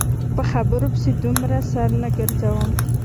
په خبرو پسې دومره سر نه ګرځوم.